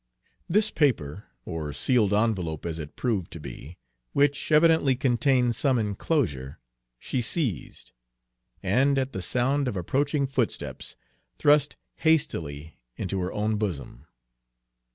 This paper, or sealed envelope as it proved to be, which evidently contained some inclosure, she seized, and at the sound of approaching footsteps thrust hastily into her own bosom.